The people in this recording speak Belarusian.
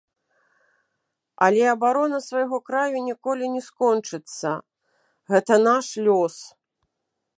Але абарона свайго краю ніколі не скончыцца, гэта наш лёс.